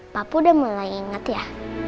papa udah mulai inget ya